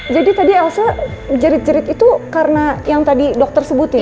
jadi tadi elsa jerit jerit itu karena yang tadi dokter sebutin